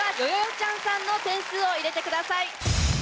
ちゃんの点数を入れてください。